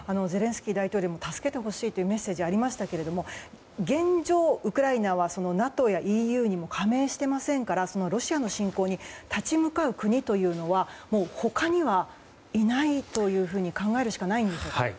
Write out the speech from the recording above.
ゼレンスキー大統領も助けてほしいというメッセージがありましたけど現状、ウクライナはＮＡＴＯやＥＵにも加盟していませんからロシアの侵攻に立ち向かう国というのは他にはいないというふうに考えるしかないんでしょうか。